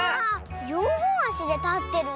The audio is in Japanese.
よんほんあしでたってるね。